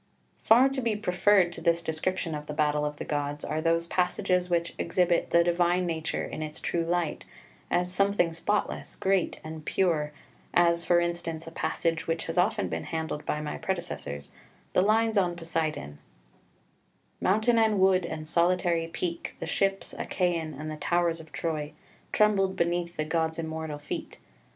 8 Far to be preferred to this description of the Battle of the Gods are those passages which exhibit the divine nature in its true light, as something spotless, great, and pure, as, for instance, a passage which has often been handled by my predecessors, the lines on Poseidon: "Mountain and wood and solitary peak, The ships Achaian, and the towers of Troy, Trembled beneath the god's immortal feet.